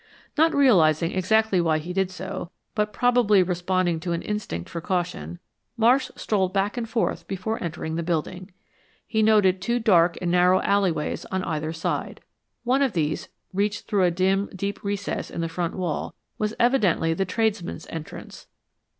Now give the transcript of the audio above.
Not realizing exactly why he did so, but probably responding to an instinct for caution, Marsh strolled back and forth before entering the building. He noted the two dark and narrow alleyways on either side. One of these, reached through a dim, deep recess in the front wall, was evidently the tradesmen's entrance.